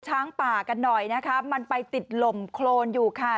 ช้างป่ากันหน่อยนะคะมันไปติดลมโครนอยู่ค่ะ